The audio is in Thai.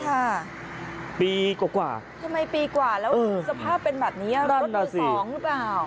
ปีกว่าทำไมปีกว่าแล้วสภาพเป็นแบบนี้รถมือสองหรือเปล่า